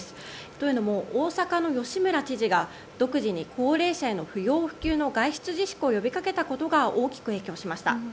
というのも、大阪の吉村知事が独自の高齢者への不要不急の外出自粛を呼びかけたことが大きく影響しました。